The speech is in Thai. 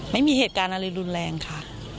ไม่มีเหตุการณ์อะไรรุนแรงค่ะ